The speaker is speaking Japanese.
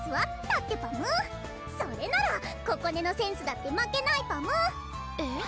だってパムそれならここねのセンスだって負けないパムえっ？